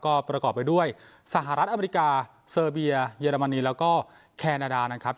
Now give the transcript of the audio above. ก็ประกอบไปด้วยสหรัฐอเมริกาเซอร์เบียเยอรมนีแล้วก็แคนาดานะครับ